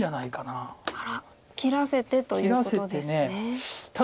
あら切らせてということですね。